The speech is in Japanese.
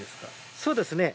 そうですね。